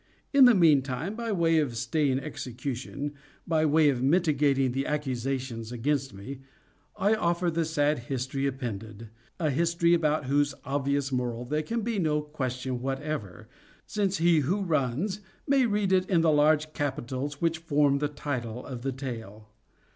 In the meantime, by way of staying execution—by way of mitigating the accusations against me—I offer the sad history appended,—a history about whose obvious moral there can be no question whatever, since he who runs may read it in the large capitals which form the title of the tale.